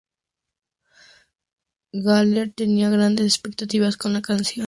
Gallagher tenía grandes expectativas con la canción.